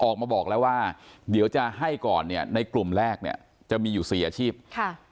ออกมาบอกแล้วว่าเดี๋ยวจะให้ก่อนเนี่ยในกลุ่มแรกเนี่ยจะมีอยู่สี่อาชีพค่ะ